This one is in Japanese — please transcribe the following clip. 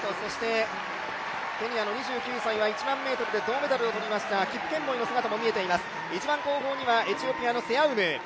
ケニアの２９歳は１００００ｍで銅メダルを取りましたキプケンボイの姿も見えています、一番後方にはエチオピアの選手